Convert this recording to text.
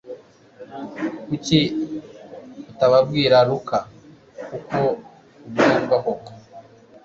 Kuki utabwira Luka uko ubyumva koko